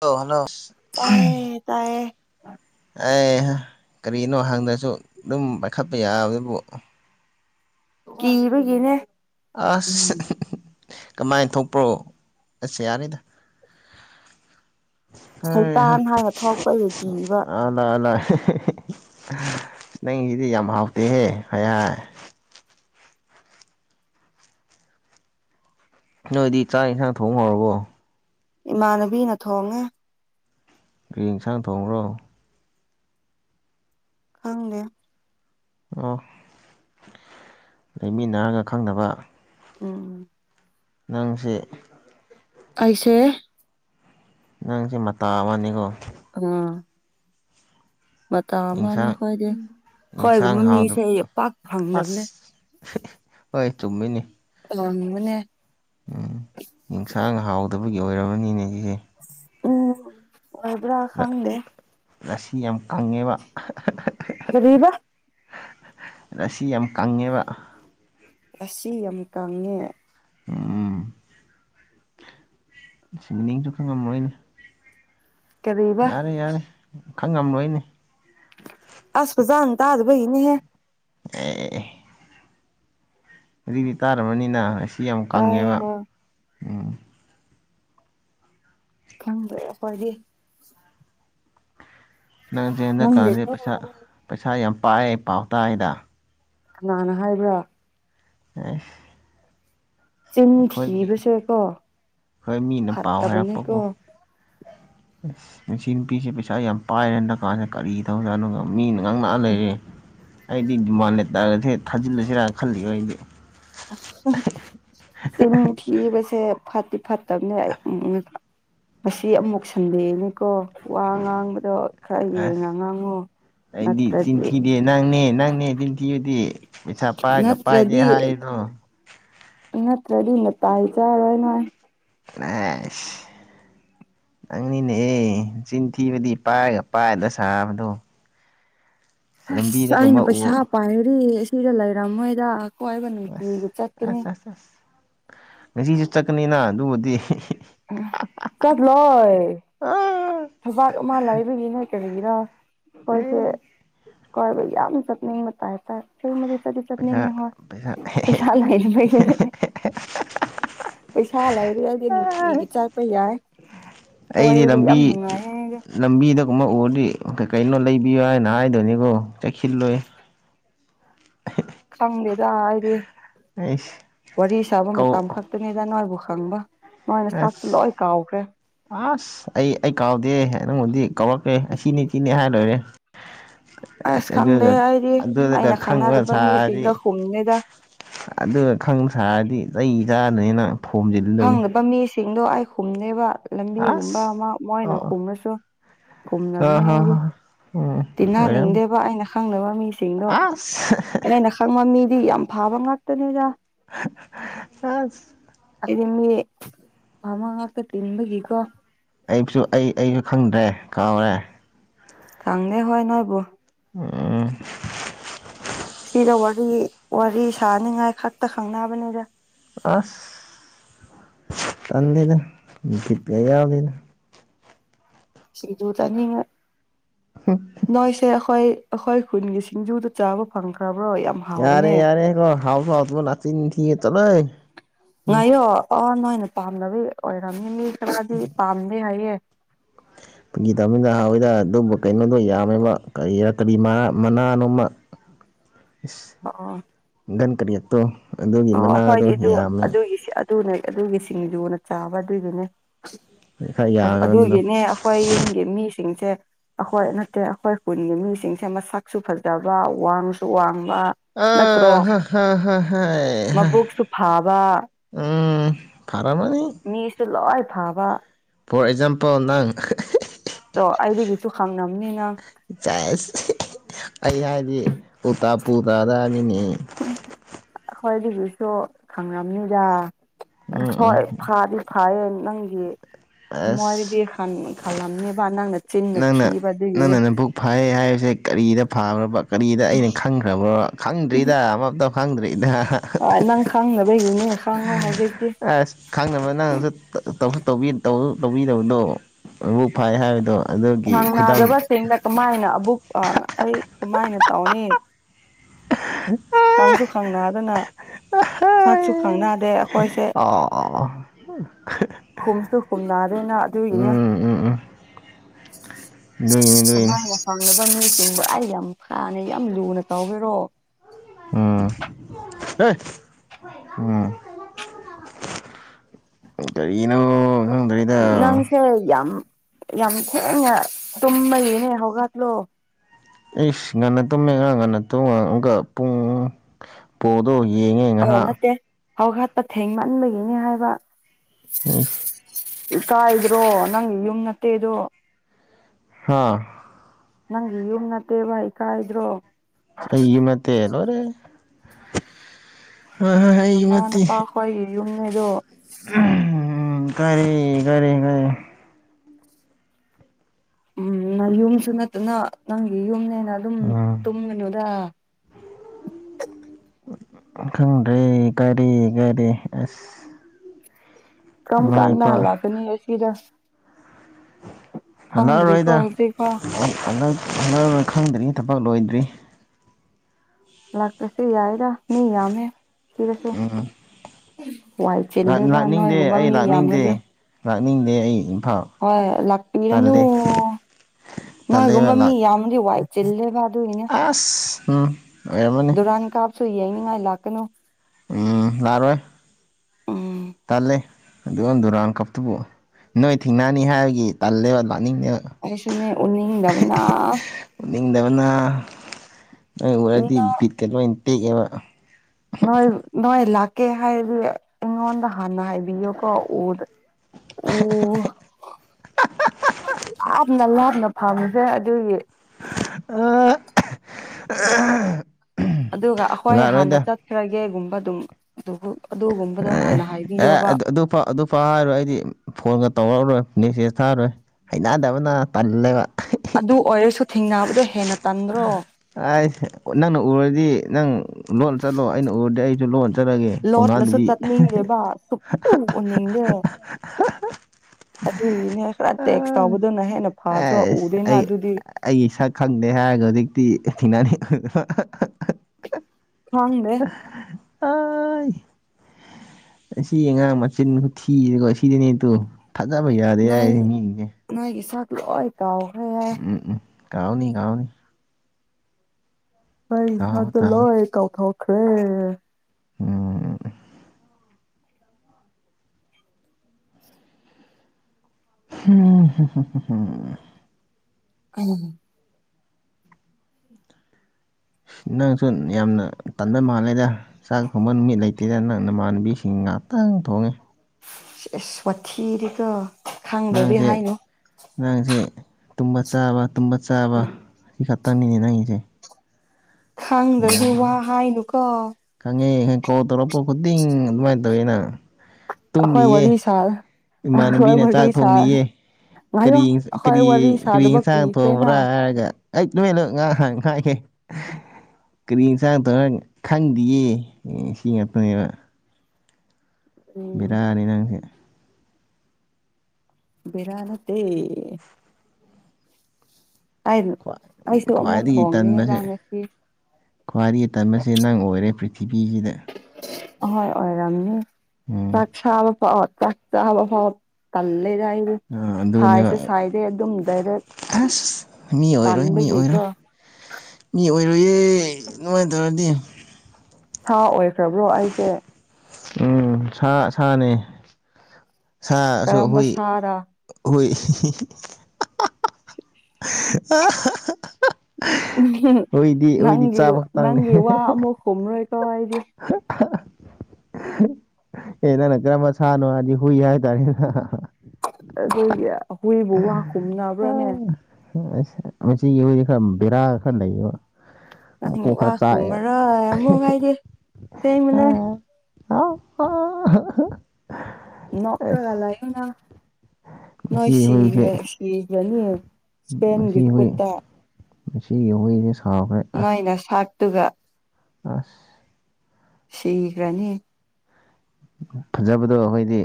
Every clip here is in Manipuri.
ꯍ ꯍꯜꯂꯣ ꯇꯌꯦ ꯇꯥꯏꯌꯦ ꯑꯦ ꯀꯔꯤꯅꯣ ꯍꯪꯗ꯭ꯔꯁꯨ ꯑꯗꯨꯝ ꯄꯥꯏꯈꯠꯄ ꯌꯥꯕ ꯑꯗꯨꯕꯨ ꯀꯕꯒꯤꯅꯦ ꯑꯁ ꯀꯃꯥꯏꯅ ꯊꯣꯛꯄ꯭ꯔꯣ ꯑꯁ ꯌꯥꯔꯤꯗ ꯍ ꯁꯩꯇꯥꯟ ꯍꯥꯏꯅ ꯊꯣꯛꯄꯒꯤ ꯀꯤꯕ ꯑꯂꯂ ꯅꯪꯁꯤꯗꯤ ꯌꯥꯝ ꯍꯥꯎꯇꯦꯍꯦ ꯍꯥꯏ ꯍꯥꯏ ꯅꯣꯏꯗꯤ ꯆꯥꯛ ꯌꯦꯟꯁꯥꯡ ꯊꯣꯡꯈꯧꯔꯕꯣ ꯏꯃꯥꯅꯕꯤꯅ ꯊꯣꯡꯉꯦ ꯑꯩ ꯌꯦꯟꯁꯥꯡ ꯊꯣꯡꯈ꯭ꯔꯣ ꯈꯪꯗꯦ ꯑꯣ ꯂꯩꯃꯤꯟꯅꯔꯒ ꯈꯪꯅꯕ ꯎꯝ ꯅꯪꯁꯦ ꯑꯩꯁꯦ ꯅꯪꯁꯦ ꯃꯇꯥ ꯑꯃꯅꯤꯅꯦꯀꯣ ꯑꯥ ꯃꯇꯥ ꯑꯃꯅꯦ ꯌꯦꯟꯁꯥꯡ ꯈꯈꯣꯏꯗꯤ ꯌꯦꯟꯁꯥꯡ ꯍꯣꯏꯒꯨꯝꯕ ꯃꯤꯁꯦ ꯍꯥꯎꯗꯕ ꯑꯩ ꯄꯥꯛ ꯐꯪꯅꯕꯅꯦ ꯑꯁ ꯍꯣꯏ ꯆꯨꯝꯃꯤꯅꯤ ꯍꯅꯦ ꯎꯝ ꯑꯦꯟꯁꯥꯡ ꯍꯥꯎꯗꯕꯒꯤ ꯑꯣꯏꯔꯕꯅꯤꯅꯦ ꯁꯤꯁꯦ ꯎꯝ ꯑꯣꯕ꯭ꯔꯥ ꯈꯥꯡꯗꯦ ꯑꯁꯤꯁꯤ ꯌꯥꯝ ꯀꯪꯉꯦꯕ ꯐꯕ ꯑꯁꯤ ꯌꯥꯝ ꯀꯪꯉꯦꯕ ꯑꯁꯤ ꯌꯥꯝ ꯀꯪꯉꯦ ꯎꯝ ꯁꯤꯅꯤ ꯈꯪ ꯀ ꯃꯣꯏꯅ ꯀꯔꯤꯕ ꯌꯥꯔꯦ ꯌꯥꯔꯦ ꯈꯪ ꯉꯝꯂꯣꯏ ꯏꯅꯦ ꯑꯁ ꯄꯖꯥꯥꯡ ꯇꯗꯕꯩꯅꯦ ꯍꯥꯏ ꯑ ꯑꯗꯨꯏꯗꯤ ꯇꯥꯔꯕꯅꯤꯅ ꯑꯁꯤ ꯌꯥꯝ ꯇꯥꯏꯌꯦ ꯀꯪꯉꯦꯕ ꯍꯣꯏ ꯎꯝ ꯈꯪꯗ ꯑꯩꯈꯣꯏꯗꯤ ꯅꯪꯁ ꯍꯟꯖꯤꯛ ꯀꯥꯟꯁꯦ ꯈꯪꯗꯦꯀꯣ ꯄꯩꯁꯥ ꯄꯩꯁꯥ ꯌꯥꯝ ꯄꯥꯛꯑꯦ ꯄꯥꯎ ꯇꯥꯏꯗ ꯅꯅꯥꯅ ꯍꯥꯏꯕ꯭ꯔꯥ ꯑ ꯆꯤꯟ ꯑꯩꯈꯣꯏ ꯃꯤ ꯊꯤꯕꯁꯦꯀꯣ ꯑꯩꯈꯣꯏ ꯃꯤꯅ ꯄꯥꯎ ꯐꯠꯇꯕꯅꯤꯀꯣ ꯍꯥꯏꯔꯛꯄꯕꯨ ꯏꯁꯤ ꯅꯨꯄꯤꯁꯦ ꯄꯩꯁꯥ ꯌꯥꯝ ꯄꯥꯏꯔꯦ ꯅꯀꯥꯟꯁꯤꯦ ꯀꯔꯤ ꯇꯧꯖꯥꯅꯣ ꯃꯤꯅ ꯉꯥꯡ ꯂꯥꯛꯑ ꯂꯩꯔꯤ ꯑꯩꯗꯤ ꯗꯤꯃꯥꯟ ꯂꯩꯇꯥꯔꯦꯗꯤꯦ ꯊꯥꯖꯤꯜꯂꯁꯤꯔꯥꯅ ꯈꯜꯂꯤ ꯑꯩꯗꯤ ꯆꯤꯟ ꯊꯤꯕꯁꯦ ꯐꯠꯇꯤ ꯐꯠꯇꯕꯅꯦ ꯑꯩ ꯃꯁꯤ ꯑꯃꯨꯛ ꯁꯟꯗꯦꯑꯦꯅꯦꯀꯣ ꯋꯥ ꯉꯥꯡꯕꯗꯣ ꯈꯔ ꯌꯦꯡꯉ ꯑꯁ ꯉꯥꯡꯉꯨ ꯑꯩꯗꯤ ꯅꯠꯇ꯭ꯔꯗꯤ ꯆꯤꯟꯊꯤꯗꯦ ꯅꯪꯅꯦ ꯅꯪꯅꯦ ꯆꯤꯟꯊꯤꯌꯗꯤ ꯄꯊꯥ ꯄꯥꯏꯒ ꯄꯥꯏꯗꯦ ꯍꯥꯏꯅꯣ ꯅꯠꯇ꯭ꯔꯗꯤꯅ ꯄꯥꯏ ꯆꯥꯔꯣꯏ ꯅꯣꯏꯥꯏ ꯑꯁ ꯅꯪꯅꯤꯅꯦ ꯑꯦ ꯆꯤꯟꯊꯤꯕꯗꯤ ꯄꯥꯏꯒ ꯄꯥꯏꯗ ꯁꯥꯕꯗꯣ ꯑꯁ ꯑꯩꯅ ꯂꯝꯕꯤꯗꯒꯨꯝꯕ ꯎ ꯄꯩꯁꯥ ꯄꯥꯏꯔꯤ ꯁꯤꯗ ꯂꯩꯔꯝꯃꯣꯏꯗ ꯍꯣꯏꯕꯅꯤ ꯑꯁ ꯆꯠꯇꯅꯦ ꯑꯁ ꯑꯁ ꯑꯁ ꯉꯁꯤꯁꯨ ꯆꯠꯀꯅꯤꯅ ꯑꯗꯨꯕꯨꯗꯤ ꯆꯥꯁ ꯂꯣꯏ ꯊꯕꯥꯛ ꯑꯃ ꯂꯩꯕꯒꯤꯅꯦ ꯀꯔꯤꯒꯤꯔ ꯑꯩꯈꯣꯏꯁꯦ ꯀ ꯌꯥ ꯌꯥꯝ ꯆꯅ ꯃ ꯃꯇꯥꯏ ꯇ ꯃ ꯆ ꯆꯠꯅꯤꯡ ꯄꯩꯁꯥ ꯄꯩꯁꯥ ꯄꯩꯁ ꯄꯩꯁꯥ ꯂꯩꯔꯗꯤ ꯅꯨꯡꯇꯤꯒꯤ ꯆꯠꯨꯄ ꯌꯥꯏ ꯑꯩꯗꯤ ꯀꯣꯏꯕꯗꯤ ꯂꯝꯕꯤ ꯌꯥꯝ ꯅꯨꯡꯉꯥꯏꯌꯦ ꯂꯝꯕꯤꯗꯒꯨꯝꯕ ꯎꯔꯗꯤ ꯀꯩ ꯀꯔꯤꯩꯅꯣ ꯂꯩꯕꯤꯌꯨ ꯍꯥꯏꯅ ꯍꯥꯏꯗꯣꯏꯅꯤꯀꯣ ꯆꯦꯛꯁꯤꯜꯂꯣꯏ ꯈꯪꯗꯦꯗ ꯍꯥꯏꯗꯤ ꯑꯩꯁ ꯋꯥꯔꯤ ꯁꯥꯕ ꯀꯧ ꯃꯇꯝ ꯈꯛꯇꯅꯤꯗ ꯅꯣꯏꯕꯨ ꯃꯣꯏꯅ ꯁꯥꯛꯁꯨ ꯑꯁ ꯂꯣꯏ ꯀꯥꯎꯈ꯭ꯔꯦ ꯑꯁ ꯑꯩ ꯑꯩ ꯀꯥꯎꯗꯦ ꯅꯪꯕꯨꯣꯟꯗꯤ ꯀꯥꯎꯔꯛꯀ꯭ꯔꯦ ꯑꯁꯤꯅꯤ ꯁꯤꯤꯅꯦ ꯍꯥꯏ ꯂꯣꯏꯔꯦ ꯑꯁ ꯈꯪꯗꯦ ꯑꯗꯨꯒ ꯑꯩꯗꯤ ꯑꯗꯨꯗꯒ ꯑꯩꯅ ꯈꯪꯕ ꯈꯪꯅꯗꯕ ꯁꯥꯔꯤ ꯃꯤꯁꯤꯡꯗ ꯍꯨꯝꯅꯦꯗ ꯑꯗꯨꯒ ꯈꯪ ꯁꯥꯔꯗꯤ ꯆꯩ ꯆꯥꯗꯅꯤꯅ ꯊꯣꯝꯖꯤꯜꯂꯗꯣꯏꯅꯤ ꯆꯤꯡꯗꯣ ꯑꯩ ꯈꯨꯝꯅꯦꯕ ꯂꯝꯕꯤꯒꯨꯝꯕ ꯑꯁ ꯑꯃ ꯃꯣꯏꯅ ꯑꯣ ꯈꯨꯝꯅꯁꯨ ꯍ ꯍ ꯐꯣꯨꯝꯅꯕꯅꯦꯗꯤ ꯎꯝ ꯑꯣꯏꯔꯝ ꯇꯤꯟꯟꯅꯅꯤꯡꯗꯦꯕ ꯑꯩꯅ ꯈꯪꯗꯕ ꯑꯁ ꯃꯤꯁꯤꯡꯗꯣꯩꯅ ꯑꯩꯅ ꯈꯪꯕ ꯃꯤ ꯗꯤ ꯌꯥꯝ ꯐꯥꯕ ꯉꯥꯛꯇꯅꯦ ꯑꯣꯖꯥ ꯑ ꯍꯥꯏꯗꯤ ꯃꯤ ꯃꯃꯥ ꯉꯥꯛꯇ ꯇꯤꯟꯕꯒꯤꯀꯣ ꯑꯩꯁꯨ ꯑꯩ ꯑꯩꯁꯨ ꯈꯪꯗ꯭ꯔꯦ ꯀꯥꯎꯔꯦ ꯀꯪꯅꯦ ꯍ ꯅꯣꯏ ꯣ ꯑꯣ ꯁꯤꯒ ꯋꯥꯔꯤ ꯋꯥꯔꯤ ꯁꯥꯅꯤꯡꯉꯥꯏ ꯈꯛꯇ ꯈꯪꯅꯕꯅꯤꯗ ꯑꯁ ꯆꯗꯗ ꯄꯌꯥ ꯌꯥꯎꯗꯅ ꯁꯤꯗꯨ ꯆꯥꯅꯤꯡꯉꯥꯏ ꯅꯣꯏꯁꯦ ꯑꯩꯈꯣꯏ ꯑꯩꯈꯣꯏ ꯈꯨꯟꯒꯤ ꯁꯤꯡꯖꯨꯗ ꯆꯥꯕ ꯐꯪꯈ꯭ꯔꯕ ꯌꯥꯔꯦ ꯌꯥꯔꯦꯣ ꯍꯥꯎ ꯍꯥꯎꯗꯕꯨ ꯅꯅꯥꯆꯅꯤ ꯊ ꯆꯂꯣꯏ ꯉꯥꯏꯌꯣ ꯑꯥ ꯅꯣꯏꯅ ꯄꯥꯝꯅꯕꯤ ꯑꯣꯏꯔꯝꯅꯤ ꯃꯤ ꯈꯔꯗꯤ ꯄꯥꯝꯗꯦ ꯍꯥꯏꯌꯦꯦ ꯍ ꯒꯤ ꯇꯥꯃꯤꯗꯍꯏꯗ ꯑꯗꯨꯝꯕ ꯀꯩꯅꯣꯗꯣ ꯌꯥꯝꯃꯦꯕ ꯀ ꯔ ꯀꯔꯤ ꯃꯅꯥ ꯅꯣꯃ ꯊꯦꯡꯌꯨ ꯑꯥ ꯀꯔꯤꯌꯦꯛꯇꯣ ꯑꯗꯨꯒꯤ ꯃꯅꯥꯗꯣ ꯑꯗꯨ ꯌꯥꯝꯃꯦ ꯑꯗꯨꯒꯤ ꯑꯗꯨꯅ ꯑꯗꯨꯒꯤ ꯁꯤꯡ ꯌꯨꯅ ꯆꯥꯕ ꯑꯗꯨꯏꯗꯨꯅꯦ ꯈꯔ ꯌꯥꯝꯃꯦ ꯑꯗꯨꯗꯣ ꯑꯗꯨꯒꯤꯅꯦ ꯑꯩꯈꯣꯏ ꯌꯨꯝꯒꯤ ꯃꯤ ꯁꯤꯡꯁꯦ ꯑꯩꯈꯣꯏ ꯅꯠꯇꯦ ꯑꯩꯈꯣꯏ ꯈꯨꯟꯒꯤ ꯃꯤꯁꯤꯡꯁꯦ ꯃꯁꯛꯁꯨ ꯐꯖꯕ ꯋꯥꯡꯁꯨ ꯋꯥꯡ ꯑ ꯍ ꯍ ꯍ ꯍ ꯃꯥꯕꯨꯣꯛꯛꯁꯨ ꯐꯥꯕ ꯎꯝ ꯐꯔꯝꯃꯅꯤ ꯃꯤꯁꯨ ꯂꯣꯏ ꯐꯥꯕ ꯐꯣꯔ ꯑꯦꯛꯖꯥꯝꯄꯜ ꯅꯪ ꯗꯨ ꯈꯥꯡ ꯅ ꯑꯃꯅꯤꯅꯤꯅ ꯆꯥꯏ ꯑꯍꯗꯤ ꯎꯇꯥ ꯄꯨꯗꯥꯗꯅꯤꯅꯤ ꯍꯣꯏ ꯑꯗꯨꯗꯨꯁꯨ ꯈꯪꯉꯝꯅꯤꯗ ꯑ ꯎꯝ ꯎꯝ ꯍꯣꯏ ꯐꯗꯤ ꯊꯌꯦꯡ ꯅꯪꯒꯤ ꯊꯝꯃꯣꯏ ꯑꯁ ꯍꯥꯏꯔꯗꯤ ꯈꯜꯂꯝꯅꯦꯕ ꯅꯪꯅ ꯆꯤꯟꯅ ꯊꯤꯕ ꯑꯗꯨꯒꯤꯅꯦ ꯁꯦ ꯀꯔꯤꯗ ꯐꯈ꯭ꯔꯕ ꯀꯔꯤꯗ ꯑꯩꯅ ꯈꯪꯈ꯭ꯔꯕꯣ ꯈꯪꯗ꯭ꯔꯤꯗ ꯑꯃꯝꯇ ꯈꯪꯗ꯭ꯔꯤꯗ ꯑ ꯅꯪ ꯈꯥꯡꯉꯅꯕ ꯑꯁ ꯈꯪꯅꯕ ꯅꯪꯅꯁꯨꯧꯁꯨ ꯇꯧꯕꯤ ꯇꯧꯕꯤꯗꯕꯗꯣ ꯑꯗꯨꯕꯨ ꯐꯥꯏ ꯍꯥꯏꯕꯗꯣ ꯑꯗꯨꯒꯤ ꯈꯨꯗꯝ ꯊꯪꯅꯗꯕꯁꯤꯡꯅ ꯀꯃꯥꯏꯅ ꯑꯕꯨꯛ ꯑꯩ ꯀꯃꯥꯏꯅ ꯇꯧꯅꯤ ꯍ ꯈꯪꯁꯨ ꯈꯪꯅꯗꯅ ꯆꯥꯛꯁꯨ ꯈꯪꯅꯗꯦ ꯑꯩꯈꯣꯏꯁꯦ ꯍꯣꯏ ꯍꯨꯝꯁꯨ ꯍꯨꯝꯅꯥꯔꯦꯅ ꯑꯗꯨꯒꯤꯅꯦ ꯎꯝ ꯎꯝ ꯑꯗꯨꯏꯅꯤ ꯑꯗꯨꯏꯅꯤ ꯑꯁꯝꯗꯥꯝ ꯑꯩ ꯌꯥꯝ ꯐꯥꯉ ꯌꯥꯝ ꯂꯨꯅ ꯇꯧꯕꯕꯤꯔꯣ ꯎꯝ ꯎꯝ ꯀꯅꯣ ꯅꯪꯁꯦ ꯌꯥꯝ ꯌꯥꯝ ꯊꯦꯡ ꯇ ꯌꯦꯅꯦ ꯍꯒꯠꯂꯣ ꯑꯩꯁ ꯉꯟꯅ ꯇꯨꯝꯃꯦ ꯉꯥ ꯉꯟꯅ ꯇꯝ ꯉꯥꯡꯉꯒ ꯄꯨꯡ ꯄꯣꯗꯣ ꯌꯦꯡꯉꯦ ꯉꯥꯏꯍꯥꯛ ꯍꯧ ꯍꯥꯠꯄ ꯊꯦꯡꯃꯟꯕꯒꯤꯅꯤ ꯍꯥꯏꯕ ꯑ ꯀꯥꯏ꯭ꯔꯣ ꯅꯪ ꯌꯝꯅꯠꯇꯦ ꯑꯗꯨꯣ ꯍꯥꯥ ꯅꯪꯒꯤ ꯌꯨꯝ ꯅꯠꯇꯦꯕꯏ ꯀꯥꯏꯗ꯭ꯔꯣ ꯑꯩ ꯃꯠꯇꯦꯂꯣꯔꯦ ꯑ ꯍ ꯍꯒꯤ ꯃꯦ ꯌꯌꯨꯝꯅꯦꯗꯣ ꯎꯝ ꯀꯔꯤ ꯀꯔꯤ ꯀꯔꯤ ꯎꯝ ꯅꯪ ꯌꯨꯝꯁꯨ ꯅꯠꯇꯅ ꯅꯪꯒꯤ ꯌꯨꯝꯅꯦꯅ ꯑꯗꯨꯝ ꯎꯝ ꯇꯨꯝꯒꯅꯨꯗ ꯈꯪꯗ꯭ꯔꯦ ꯒꯥꯔꯤ ꯒꯥꯔꯤ ꯑꯁ ꯀꯃ ꯏꯃꯥ ꯀꯅ ꯏꯄꯥ ꯍꯂꯛꯀꯅꯤ ꯑꯦ ꯁꯤꯗ ꯈꯪꯗ꯭ꯔꯤꯀꯣ ꯍꯜꯂꯛꯑꯔꯣꯏꯗ ꯍꯧꯖꯤꯛꯐꯥꯎ ꯍꯜꯂꯛꯑꯔꯣꯏ ꯈꯪꯗ꯭ꯔꯤꯉ ꯊꯕꯛ ꯂꯣꯏꯗ꯭ꯔꯤ ꯂꯥꯛꯀꯁꯤ ꯌꯥꯏꯔꯥ ꯃꯤ ꯌꯥꯝꯃꯦ ꯁꯤꯔꯁꯨ ꯂꯥꯛꯅꯤꯡꯗꯦ ꯑꯩ ꯂꯥꯛꯅꯤꯡꯗꯦ ꯌꯥꯝꯔꯗꯤ ꯂꯥꯛꯅꯤꯡꯗꯦ ꯑꯩ ꯏꯝꯐꯥꯜ ꯍꯣꯏ ꯂꯥꯛꯄꯤꯔꯅꯨ ꯇꯜꯂꯦ ꯅꯣꯏꯒꯨꯝꯕ ꯇꯜꯂꯦꯕ ꯃꯤ ꯂꯥꯛ ꯌꯥꯝꯗꯤ ꯋꯥꯏ ꯆꯤꯂꯦꯚꯥ ꯑꯁ ꯎꯝ ꯑꯣꯏꯔꯃꯅꯤ ꯁꯨꯏ ꯌꯥꯏꯅꯤ ꯉ ꯏꯂꯥꯛ ꯀꯅꯣ ꯎꯝ ꯌꯥꯔꯋꯣꯏ ꯎꯝ ꯇꯜꯂꯦ ꯑꯗꯨꯗꯨ ꯔꯥꯎꯟ ꯀꯞꯇꯨꯕꯨ ꯅꯣꯏ ꯊꯤꯡꯅꯅꯤ ꯍꯥꯏꯕꯒꯤ ꯇꯜꯂꯦꯕ ꯂꯥꯛ ꯑꯩ ꯁꯅ ꯎ ꯂꯕꯅꯥ ꯅꯤꯡꯗꯕꯅ ꯅꯣꯏ ꯎꯔꯗꯤ ꯕꯤꯠꯀ ꯂꯣꯏ ꯇꯦꯛꯑꯦꯕ ꯅꯣꯏ ꯅ ꯏꯥꯀꯦ ꯍꯥꯏ ꯏꯉꯗ ꯍꯅ ꯍꯥꯏꯕꯤ ꯄ ꯑꯣꯗ ꯑꯣ ꯅ ꯂꯥꯞꯅ ꯐꯥꯝꯃꯤꯁꯦ ꯑꯗꯨꯒꯤ ꯑ ꯑꯗꯨꯒ ꯑꯩꯈꯣꯏ ꯍꯥꯟꯅ ꯆꯠꯈ꯭ꯔꯒꯦꯒꯨꯝꯕ ꯑꯗꯨꯝ ꯑꯗꯨꯕꯨ ꯑꯦ ꯑꯦ ꯑꯗꯨ ꯑꯗꯨ ꯑꯗꯨ ꯐꯥꯎ ꯍꯥꯏꯔꯣ ꯑꯩꯗꯤ ꯐꯣꯟꯒ ꯇꯧꯔꯛꯑꯔꯣꯏ ꯅꯦꯛꯁꯦꯁ ꯊꯥꯔꯣꯏ ꯍꯩꯅꯗꯕꯅ ꯇꯜꯂꯦꯕ ꯑꯗꯨ ꯑꯣꯏꯔꯁꯨ ꯊꯦꯡꯅꯕꯗꯣ ꯍꯦꯟꯅ ꯇꯟꯗ꯭ꯔꯣ ꯑ ꯅꯅ ꯑꯗꯨꯗꯤ ꯅꯪ ꯂꯣꯟ ꯆꯠꯂꯣ ꯑꯩꯅ ꯎꯔꯗꯤ ꯑꯩꯁꯨ ꯂꯣꯟ ꯆꯠ ꯠ ꯆꯠꯔꯒꯦ ꯂꯣꯠꯅꯁꯨ ꯀꯧꯅꯥꯗꯨꯕꯤ ꯆꯠꯅꯤꯡꯗꯦꯕ ꯁꯨꯛꯎ ꯑꯗꯨꯏꯅꯦ ꯈꯔ ꯇꯦꯛꯁ ꯇꯥꯎꯧꯕꯗꯨꯅ ꯍꯦꯟꯅ ꯐꯗ꯭ꯔꯣ ꯎꯗꯦꯅ ꯑꯗꯨꯗꯤ ꯄꯩꯁꯥ ꯈꯪꯗꯦ ꯍꯥꯏꯦ ꯍꯧꯖꯤꯛꯇꯤ ꯊꯦꯡ ꯊꯥꯡꯗ ꯑ ꯁꯤꯉꯥꯡ ꯃꯆꯤꯟ ꯊꯤꯔꯦꯀꯣ ꯁꯤꯗꯤꯅꯦ ꯇꯣ ꯊꯥꯖꯕ ꯌꯥꯔꯦ ꯅꯣꯏ ꯌꯥꯏꯁ ꯃꯤꯅꯦ ꯅꯣꯏꯒꯤ ꯁꯛ ꯂꯣꯏ ꯀꯥꯎꯈ ꯌꯥꯦ ꯀꯥꯎꯅꯤ ꯀꯥꯎꯅꯤ ꯑꯩ ꯀꯥꯎꯕ ꯏꯁꯥꯗ ꯇꯥꯕꯅꯤ ꯂꯣꯏ ꯀꯥꯎꯊꯣꯛꯈ꯭ꯔꯦ ꯎꯝ ꯍ ꯎ ꯅꯪꯁꯨ ꯌꯥꯝꯅ ꯇꯟꯕ ꯃꯥꯜꯂꯦꯗ ꯆꯥꯛ ꯊꯣꯡꯕ ꯅꯨꯃꯤꯠ ꯂꯩꯇꯦꯗ ꯅꯪ ꯅꯃꯥꯟꯅꯕꯤꯁꯤꯡ ꯉꯥꯛꯇꯪ ꯊꯣꯡꯉꯦ ꯁꯊꯤꯔꯤꯒ ꯈꯪꯕꯕꯤ ꯅꯪꯁꯦ ꯍꯥꯏꯅ ꯅꯪꯁꯦ ꯇꯨꯝꯕ ꯆꯥꯕ ꯇꯨꯝꯕ ꯆꯥꯕ ꯁꯤ ꯈꯛꯇꯪꯅꯤꯅꯦ ꯅꯪꯒꯤꯁꯦ ꯈꯪꯗ꯭ꯔꯗꯤ ꯋꯥ ꯌꯥꯅꯤꯅ ꯍꯥꯏꯅꯨꯀꯣ ꯈꯪꯉꯦ ꯀꯣ ꯇꯧꯔꯛꯄ ꯈꯨꯗꯤꯡ ꯑꯗꯨꯃꯥꯏꯅ ꯇꯧꯋꯤꯅ ꯑꯩꯈꯣꯏ ꯋꯥꯔꯤ ꯁꯥꯔ ꯏꯃꯥꯟꯅꯕꯤꯅ ꯆꯥꯛ ꯊꯣꯡꯅꯤꯌꯦ ꯉꯥꯏꯌꯣ ꯀꯔꯤ ꯑꯩꯈꯣꯏ ꯀꯔꯤ ꯋꯥꯔꯤ ꯀꯔꯤ ꯁꯥꯗꯕ ꯌꯦꯟꯁꯥꯡ ꯀꯨꯏꯈ꯭ꯔꯦꯅ ꯊꯣꯡꯕ꯭ꯔꯥ ꯍꯥꯏꯔꯒ ꯑꯩ ꯇꯨꯃꯦꯅ ꯈꯥꯏꯈꯤꯦ ꯀꯔꯤ ꯏꯟ ꯆꯥꯡ ꯇꯅ ꯈꯪꯗꯌꯦ ꯁꯤ ꯉꯥꯛꯇꯅꯦꯕ ꯎꯝ ꯔꯥꯠ ꯅꯪꯁꯦ ꯔꯥꯅꯠꯇꯦ ꯋꯥ ꯑꯩꯁꯨ ꯑꯃꯨꯛ ꯈ꯭ꯋꯥꯗꯤ ꯀ ꯇꯥꯟ ꯊꯣꯡꯉꯤꯅꯤꯗ ꯃꯁꯦ ꯉꯁꯤ ꯈ꯭ꯍꯔꯤ ꯇꯝꯁꯦ ꯅꯪ ꯑꯣꯏꯔꯦ ꯄ꯭ꯔꯤꯊꯤꯕꯤꯁꯤꯗ ꯍꯣꯏ ꯑꯣꯏꯔꯝꯅꯤ ꯎꯝ ꯇ꯭ꯔꯥꯛ ꯆꯕ ꯐꯥꯎ ꯇ꯭ꯔ ꯆꯕ ꯐꯥꯎ ꯇ ꯂꯩꯔ ꯑꯩꯁ ꯑꯥ ꯑꯗꯨꯅꯦꯕ ꯁꯥꯏꯁꯦ ꯁꯥꯏꯗꯦ ꯑꯗꯨꯝ ꯗꯥꯏꯔꯦꯛ ꯑꯁ ꯃꯤ ꯑꯣꯏꯔꯣꯏ ꯃꯤ ꯇꯥꯟꯕꯒꯤꯀꯣ ꯑꯣꯏꯔꯣꯏ ꯃꯤ ꯑꯣꯏ ꯑꯗꯨ ꯅꯨꯡꯉꯥꯏ ꯇꯔꯗꯤ ꯁꯥ ꯑꯣꯏꯈ꯭ꯔꯕ꯭ꯔꯣ ꯑꯩꯁꯦ ꯎꯝ ꯁꯥ ꯁꯥꯅꯦ ꯁꯥꯁꯨ ꯀꯔꯝꯕ ꯍꯨꯏ ꯁꯥꯔ ꯍꯨꯏ ꯑ ꯅꯪꯒꯤ ꯈꯛꯇꯪꯅꯦ ꯅꯪꯒꯤ ꯋꯥ ꯑꯃꯨꯛ ꯍꯨꯝꯔꯣꯏ ꯀꯏꯁꯦ ꯑꯦꯗ ꯅꯒ꯭ꯔꯃ ꯁꯥꯅꯣ ꯑꯗꯤ ꯍ ꯌꯥꯔ ꯑꯗꯨꯒꯤ ꯍꯨꯏꯕꯨ ꯋꯥ ꯈꯨꯝꯅꯕ꯭ꯔꯥꯅꯦ ꯑꯁ ꯃꯁꯤ ꯑꯩꯣꯏꯁ ꯈꯔ ꯕꯦꯔꯥ ꯈꯔ ꯂꯩꯌꯦꯕ ꯑꯩ ꯃꯀꯣꯛ ꯋꯥ ꯈꯔ ꯆꯥꯛꯑꯦꯕ ꯍꯨꯝꯃꯔꯣꯏ ꯑꯃꯨꯛ ꯍꯥꯏꯗꯤꯦ ꯀ ꯃꯅꯦ ꯑ ꯑ ꯅꯠꯇ꯭ꯔꯒ ꯂꯦꯅ ꯃꯁꯤꯒꯤ ꯍꯨꯏꯁꯦ ꯅꯁꯤꯔꯁꯤ ꯅꯤ ꯏꯁꯄꯦꯟꯒꯤ ꯍꯠꯇ ꯃꯁ ꯑꯣꯅꯦ ꯅꯣꯏꯅ ꯁꯥꯠꯇꯨꯒ ꯑꯁ ꯁꯤꯒ꯭ꯔꯥꯅꯤ ꯐꯖꯕꯗꯣ ꯑꯩꯈꯣꯏꯗꯤ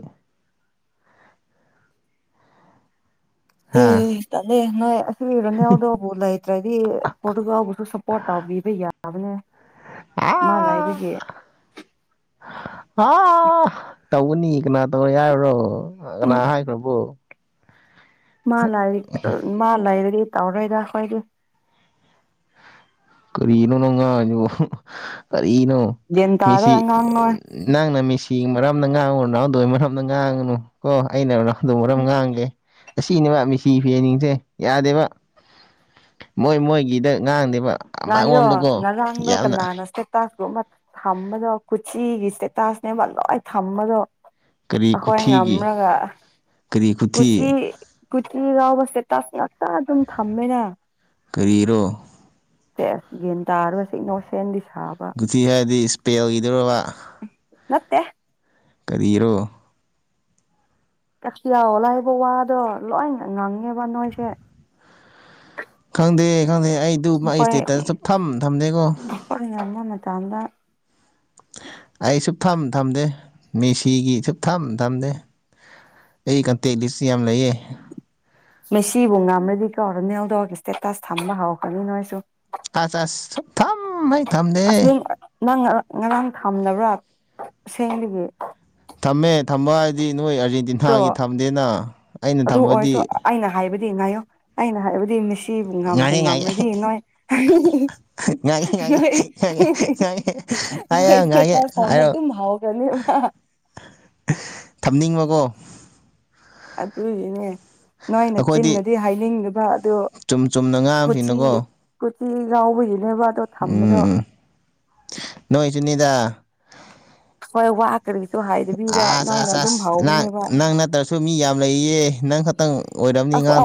ꯍꯥ ꯂꯩ ꯇꯂꯦ ꯅꯣꯏ ꯁꯤꯔꯅꯦꯎꯗꯕꯨ ꯂꯩꯇ꯭ꯔꯗꯤ ꯐꯣꯇꯣꯒꯕꯨꯁꯨ ꯁꯞꯄꯣꯔꯠ ꯇꯧꯕꯤꯕ ꯌꯥꯕꯅꯦ ꯃꯥ ꯂꯩꯕꯒꯤ ꯑ ꯇꯧꯒꯅꯤ ꯀꯅꯥ ꯇꯧꯔ ꯌꯥꯨꯔꯣ ꯎꯝ ꯀꯅꯥ ꯍꯥꯏꯈ꯭ꯔꯕꯣ ꯃꯥ ꯂꯥꯏꯔꯤꯛ ꯃꯥ ꯂꯩꯔꯗꯤ ꯇꯧꯔꯣꯏꯗ ꯑꯩꯈꯣꯏꯗꯤ ꯀꯔꯤꯅꯅꯉ ꯏꯩꯅꯣ ꯒ꯭ꯌꯥꯟ ꯇꯥꯔꯣꯏ ꯃꯦꯁꯤ ꯑꯉꯥꯡ ꯅꯣꯏ ꯅꯪꯅ ꯃꯦꯁꯤ ꯀꯦꯡ ꯃꯔꯝꯅ ꯉꯥꯡꯉꯨ ꯅꯍꯎꯗꯏ ꯃꯔꯝꯗ ꯉꯥꯡꯉꯨꯅꯨ ꯀꯣ ꯑꯩꯅ ꯅꯎꯗꯣ ꯃꯔꯝ ꯉꯥꯡꯒꯦ ꯑꯁꯤꯅꯦꯕ ꯃꯤꯁꯤ ꯐꯤ ꯌꯦꯅꯤꯡꯁꯦ ꯌꯥꯗꯦꯕ ꯃꯣꯏ ꯃꯣꯏꯒꯤꯗ ꯉꯥꯡꯗꯦꯕ ꯉ ꯑꯣ ꯑꯃꯔꯣꯝꯗꯀꯣ ꯉꯔꯥꯡꯗꯣ ꯀ ꯌꯥꯝꯅ ꯅꯥꯟꯁꯦ ꯀꯨꯝꯕ ꯊꯝꯃꯗꯣ ꯀꯁꯤꯒꯤ ꯏꯁꯇꯦꯇꯥꯁꯅꯦꯕ ꯂꯣꯏ ꯊꯝꯃꯗꯣ ꯀꯔꯤ ꯑꯩꯈꯣꯏ ꯈꯨꯊꯤꯒꯤ ꯉꯝꯂꯒ ꯀꯔꯤ ꯈꯨꯊꯤ ꯀꯨꯆꯤ ꯀꯒꯥꯎꯕꯁꯦ ꯇꯥꯁ ꯉꯥꯛꯇꯥ ꯑꯗꯨꯝ ꯊꯝꯃꯦꯅ ꯀꯔꯤꯔꯣ ꯌꯦꯟ ꯇꯥꯔꯔꯕ ꯁꯤ ꯏꯅꯣꯁꯗꯤ ꯨꯊꯤ ꯍꯥꯏꯔꯗꯤ ꯏꯁꯄꯦꯜꯒꯤꯗꯧꯔꯕ ꯃꯠꯇꯦ ꯀꯔꯤ ꯏꯔꯣ ꯀꯁꯤ ꯌꯥꯍꯜꯂꯏꯕ ꯋꯥꯗꯣ ꯂꯣꯏ ꯉꯪꯉꯦꯕ ꯅꯣꯏꯁꯦ ꯈꯪꯗꯦ ꯈꯪꯗꯦ ꯑꯩꯗꯨ ꯃꯥ ꯑꯩ ꯑꯩꯈꯣꯏ ꯏꯁꯇꯦꯠꯇꯁ ꯁ ꯊꯝ ꯊꯝꯗꯦꯀꯣ ꯑꯩꯈꯣꯏ ꯉꯝꯕ ꯃꯇꯝꯗ ꯑꯩ ꯁꯨꯞ ꯊꯝ ꯊꯝꯗꯦ ꯃꯤꯁꯤꯒꯤ ꯁꯨꯞ ꯊꯝ ꯊꯝꯗꯦ ꯑꯩ ꯀꯟꯇꯦꯠꯂꯤꯁ ꯌꯥꯝ ꯂꯩꯌꯦ ꯃꯩꯁꯤꯕꯨ ꯉꯝꯃꯗꯤ ꯀꯧꯔꯣ ꯅꯦꯜꯗꯧꯑꯒ ꯏꯁꯇꯦꯇꯁ ꯊꯝꯕ ꯍꯧꯔꯛꯄꯅꯤ ꯅꯣꯏꯁꯨ ꯑꯁ ꯑꯁ ꯁꯨꯛꯊꯝ ꯍꯦꯛ ꯊꯝꯗꯦ ꯑꯁꯦꯡ ꯅꯪꯥꯡ ꯉꯔꯥꯡ ꯊꯝꯕ꯭ꯔꯥ ꯁꯦꯡꯗꯒꯤ ꯊꯝꯃꯦ ꯊꯝꯕ ꯍꯥꯏꯗꯤ ꯅꯣꯏ ꯇꯣ ꯑꯥꯔꯖꯦꯟꯇꯤꯅꯥꯒꯤ ꯊꯝꯗꯦꯅ ꯑꯩꯅ ꯊꯝꯕꯗꯤ ꯗꯤ ꯉꯥꯏꯌꯣ ꯑꯩꯅ ꯍꯥꯏꯕꯗꯤ ꯃꯁꯤꯕꯨ ꯉꯕꯨ ꯉꯥꯏꯒꯦ ꯉꯥꯏꯒꯦ ꯉꯝꯃ꯭ꯔꯗꯤ ꯅꯣꯏ ꯉꯥꯏꯒꯦ ꯉꯥꯏꯒꯦ ꯉꯥꯏꯒꯦ ꯉꯥꯏꯒꯦ ꯉꯥꯏꯌꯣ ꯅꯣꯏ ꯁꯇꯦ ꯉꯥꯏꯒꯦ ꯁꯃ ꯍꯥꯏꯔꯣ ꯑꯗꯨ ꯃꯥꯥꯎ ꯀꯅꯤ ꯃꯥ ꯍ [unintelligible] ꯊꯝꯅꯤꯡꯕꯀꯣ ꯑꯗꯨꯗ ꯏꯅꯦ ꯅꯣꯏꯅ ꯑꯩꯈꯣꯏꯗꯤ ꯇꯤꯟꯅꯗꯤ ꯍꯥꯏꯅꯤꯡꯗꯕ ꯑꯗꯨ ꯆꯨꯝ ꯆꯨꯝꯅ ꯀꯨꯆꯤ ꯉꯥꯡꯕꯁꯤꯡꯅꯀꯣ ꯁꯤ ꯌꯥꯎꯕꯒꯤꯅꯦꯕ ꯑꯗꯣ ꯊꯝꯕꯗꯣ ꯎꯝ ꯗ [unintelligible] ꯍꯣꯏ ꯋꯥꯋꯥꯛ ꯑꯁ ꯑꯁ ꯑꯁ ꯅ ꯍꯧꯕꯅꯦꯕ ꯅꯪ ꯅꯠꯇ꯭ꯔꯁꯨ ꯃꯤ ꯌꯥꯝ ꯂꯩꯌꯦ ꯅꯪ ꯈꯛꯇꯪ ꯑꯣꯏꯔꯝꯅꯤ ꯑꯉꯥꯡ